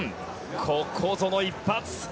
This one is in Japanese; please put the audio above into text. ここぞの一発。